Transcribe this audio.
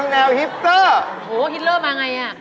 ต้องแนวฮิปเตอร์โอ้โฮฮิตเลอร์มาไงน่ะ